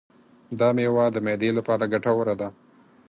دا مېوه د معدې لپاره ګټوره ده.